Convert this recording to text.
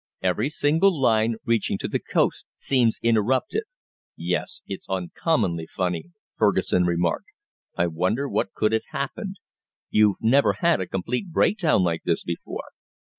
Every single line reaching to the coast seems interrupted." "Yes. It's uncommonly funny," Fergusson remarked. "I wonder what could have happened. You've never had a complete breakdown like this before?"